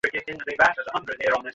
সময় আরো খারাপ হতে পারে।